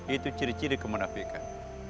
itu ciri ciri kemunafikan